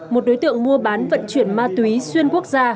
một đối tượng mua bán vận chuyển ma túy xuyên quốc gia